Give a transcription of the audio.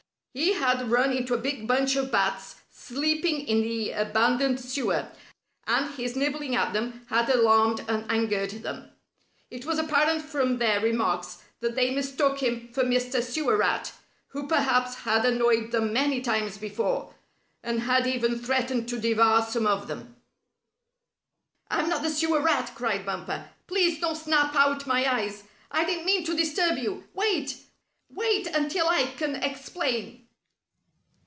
He had run into a big bunch of bats sleeping in the abandoned sewer, and his nibbling at them had alarmed and angered them. It was apparent from their remarks that they mistook him for Mr. Sewer Rat, who perhaps had annoyed them many times before, and had even threatened to devour some of them. "I'm not the Sewer Rat!" cried Bumper. "Please don't snap out my eyes! I didn't mean to disturb you! Wait! Wait, until I can explain!"